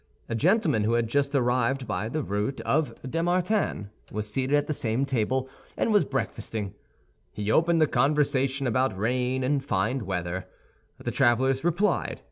A gentleman, who had just arrived by the route of Dammartin, was seated at the same table, and was breakfasting. He opened the conversation about rain and fine weather; the travelers replied.